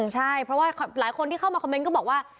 ใช่เพราะว่าหลายคนที่เข้ามาคอมเมนต์ก็บอกว่า